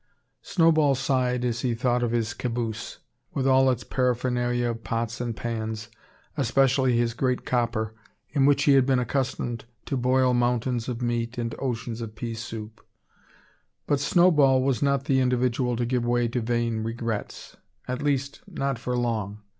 Snowball sighed as he thought of his caboose, with all its paraphernalia of pots and pans, especially his great copper, in which he had been accustomed to boil mountains of meat and oceans of pea soup. But Snowball was not the individual to give way to vain regrets, at least, not for long.